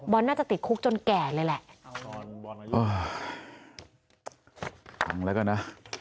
บอลน่าจะติดคุกจนแก่เลยแหละ